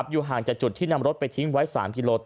อยู่ห่างจากจุดที่นำรถไปทิ้งไว้๓กิโล